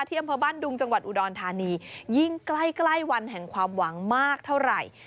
อำเภอบ้านดุงจังหวัดอุดรธานียิ่งใกล้ใกล้วันแห่งความหวังมากเท่าไหร่